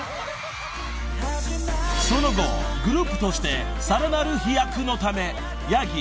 ［その後グループとしてさらなる飛躍のため八木。